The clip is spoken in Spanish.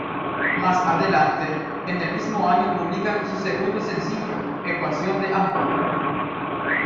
Más adelante, en el mismo año publican se segundo sencillo "Ecuación De Amor".